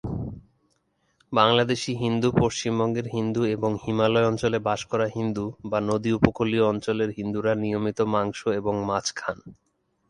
বাংলাদেশি হিন্দু, পশ্চিমবঙ্গের হিন্দু এবং হিমালয় অঞ্চলে বাস করা হিন্দু, বা নদী উপকূলীয় অঞ্চলের হিন্দুরা নিয়মিত মাংস এবং মাছ খান।